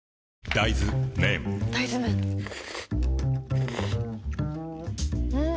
大豆麺ん？